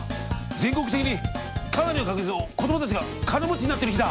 全国的にかなりの確率の子どもたちが金持ちになってる日だ！